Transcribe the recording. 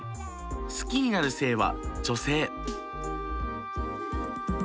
好きになる性は女性。